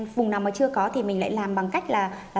vùng nào mà chưa có thì mình lại làm bằng cách là